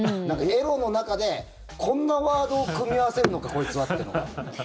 エロの中でこんなワードを組み合わせるのか、こいつはっていうのが。